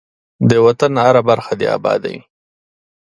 ده وطن هره برخه دی اباده وی.